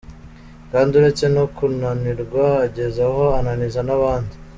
Kandi uretse no kunanirwa ageze aho ananiza n’abandi.